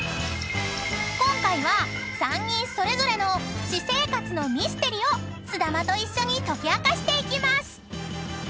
［今回は３人それぞれの私生活のミステリをすだまと一緒に解き明かしていきます］